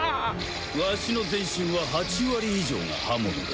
わしの全身は８割以上が刃物だ。